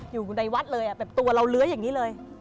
อยู่ในวัดเลยแบบตัวเราเลื้อยอย่างนี้เลย